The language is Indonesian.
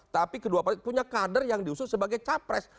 tapi kedua partai punya kader yang diusung sebagai capres